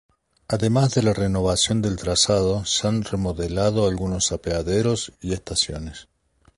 Además de la renovación del trazado se han remodelado algunos apeaderos y estaciones.